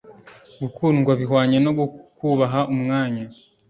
gukundwa bihwanye no kubaha umwanya